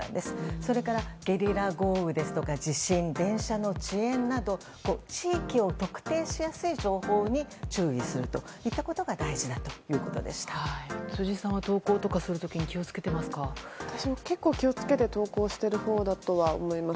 それから、ゲリラ豪雨ですとか地震、電車の遅延など地域を特定しやすい情報に注意するといったことが辻さんは投稿する時に私も結構気を付けて投稿しているほうだとは思います。